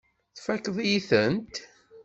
Tfakkeḍ-iyi-tent.